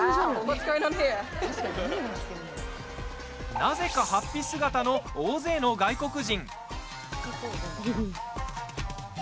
なぜか、はっぴ姿の大勢の外国人。